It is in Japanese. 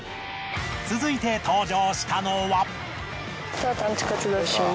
続いて登場したのは。